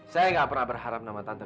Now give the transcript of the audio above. saya nggak pernah berharap sama tante